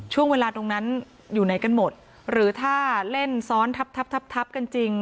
ช่วงเวลาตรงนั้นอยู่ไหนกันหมดหรือถ้าเล่นซ้อนทับทับกันจริง